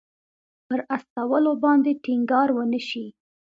پر استولو باندې ټینګار ونه شي.